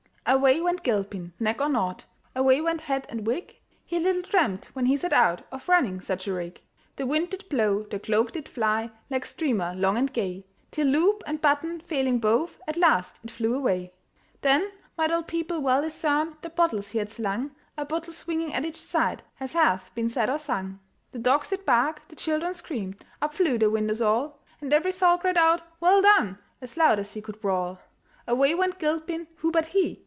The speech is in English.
Away went Gilpin, neck or nought, Away went hat and wig; He little dreamt, when he set out, Of running such a rig. The wind did blow, the cloak did fly Like streamer long and gay, Till, loop and button failing both. At last it flew away. Then might all people well discern The bottles he had slung; A bottle swinging at each side, As hath been said or sung. The dogs did bark, the children screamed, Up flew the windows all; And every soul cried out, "Well done!" As loud as he could bawl. Away went Gilpin who but he?